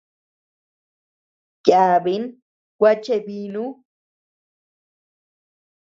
Yabin gua cheʼebinu.